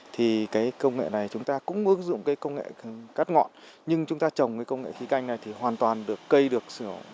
thì cái công nghệ này chúng ta cũng ước dụng cái công nghệ cắt ngọn nhưng chúng ta trồng cái công nghệ khí canh này thì hoàn toàn được cây được